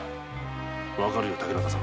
分かるよ竹中さん。